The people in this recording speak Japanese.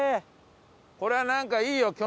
これはなんかいいよ